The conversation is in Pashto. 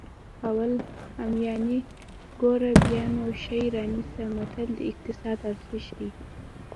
اول همیانۍ ګوره بیا نو شی رانیسه متل د اقتصاد ارزښت ښيي